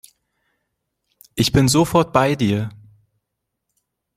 Ich bin sofort bei dir.